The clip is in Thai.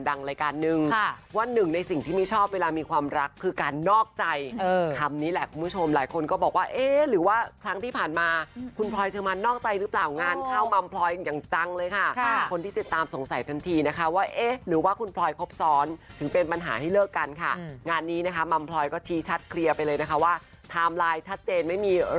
รายการนึงว่าหนึ่งในสิ่งที่ไม่ชอบเวลามีความรักคือการนอกใจคำนี้แหละคุณผู้ชมหลายคนก็บอกว่าเอ๊ะหรือว่าครั้งที่ผ่านมาคุณพลอยเชิงมันนอกใจหรือเปล่างานเข้ามัมพลอยอย่างจังเลยค่ะคนที่ติดตามสงสัยทันทีนะคะว่าเอ๊ะหรือว่าคุณพลอยครบซ้อนถึงเป็นปัญหาให้เลิกกันค่ะงานนี้นะคะมัมพลอยก็ชี้ชัดเคลียร์ไปเลยนะคะว่าไทม์ไลน์ชัดเจนไม่มี